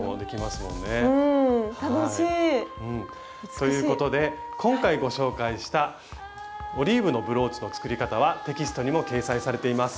ということで今回ご紹介した「オリーブのブローチ」の作り方はテキストにも掲載されています。